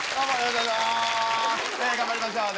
頑張りましょうね。